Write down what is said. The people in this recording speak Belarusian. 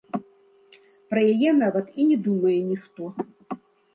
Пра яе нават і не думае ніхто.